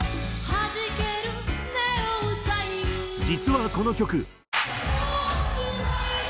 実はこの曲。